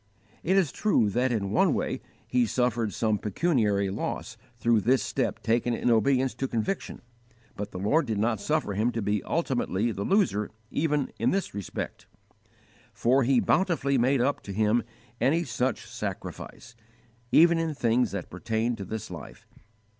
It is true that in one way he suffered some pecuniary loss through this step taken in obedience to conviction, but the Lord did not suffer him to be ultimately the loser even in this respect, for He bountifully made up to him any such sacrifice, even in things that pertain to this life.